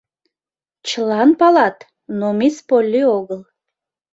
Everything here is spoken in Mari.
— Чылан палат, но мисс Полли огыл.